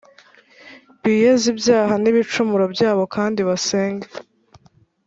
Biyeze ibyaha nibicumuro byabo kandi basenge